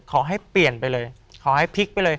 ขอให้เปลี่ยนไปเลยขอให้พลิกไปเลย